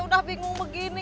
udah bingung begini